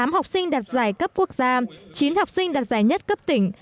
tám học sinh đạt giải cấp quốc gia chín học sinh đạt giải nhất cấp tỉnh